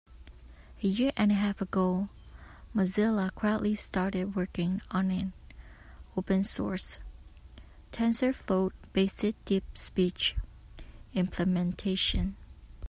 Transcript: A year and a half ago, Mozilla quietly started working on an open source, TensorFlow-based DeepSpeech implementation.